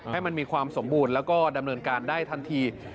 ให้มันมีความสมบูรณ์แล้วก็ดำเนินการได้ทันที